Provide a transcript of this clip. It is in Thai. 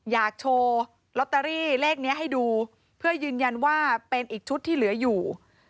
อยากโชว์ลอตเตอรี่เลขนี้ให้ดูเพื่อยืนยันว่าเป็นอีกชุดที่เหลืออยู่